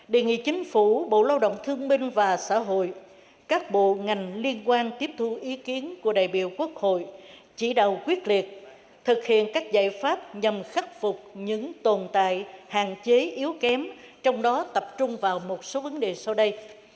đề nghị chính phủ bộ lao động thương minh và xã hội các bộ ngành liên quan tiếp thu ý kiến của đại biểu quốc hội chỉ đạo quyết liệt thực hiện các giải pháp nhằm khắc phục những tồn tại hạn chế yếu kém trong đó tập trung vào một số vấn đề sau đây